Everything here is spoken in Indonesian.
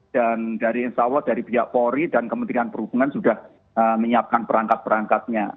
dan dari insya allah dari pihak polri dan kementerian perhubungan sudah menyiapkan perangkat perangkatnya